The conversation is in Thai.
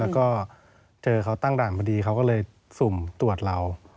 เกิดเขาตั้งด่านพอดีเขาก็เลยสุ่มตรวจเรา